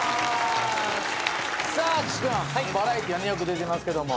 さあ岸君バラエティーはよく出てますけども。